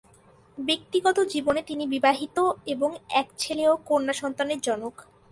ব্যক্তিগত জীবনে তিনি বিবাহিত এবং এক ছেলে ও কন্যা সন্তানের জনক।